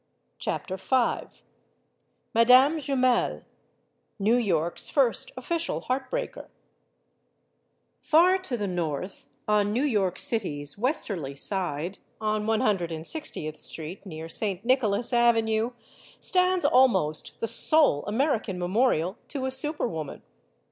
CHAPTER FIVE MADAME JUMEL NEW YORK'S FIRST OFFICIAL HEART BREAKER FAR to the north, on New York City's westerly side on One Hundred and Sixtieth Street, near St. Nicholas Avenue stands almost the sole Amer ican memorial to a super woman.